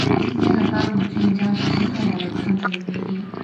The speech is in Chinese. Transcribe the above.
新建的巴姆郡将执行更严格的抗震规定。